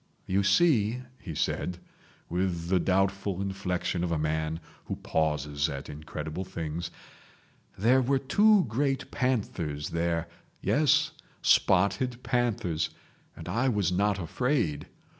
"You see," he said, with the doubtful inflection of a man who pauses at incredible things, "there were two great panthers there ... Yes, spotted panthers. And I was not afraid.